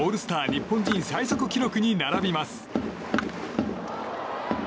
日本人最速記録に並びます。